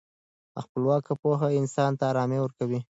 خپلواکه پوهه انسان ته ارامي ورکوي.